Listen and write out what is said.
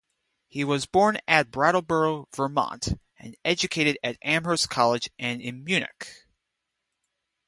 He was born at Brattleboro, Vermont, and educated at Amherst College and in Munich.